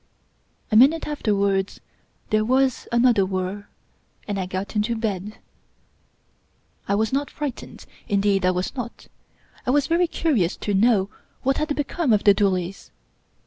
A minute afterwards there was another Vhir, and I got into bed. I was not frightened — indeed I was not. I was very curious to know what had become of the doolies.